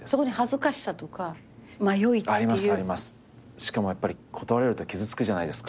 しかもやっぱり断られると傷つくじゃないですか。